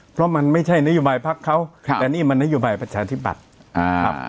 เพราะมันไม่ใช่นโยบายพักเขาแต่นี่มันนโยบายประชาธิบัติครับ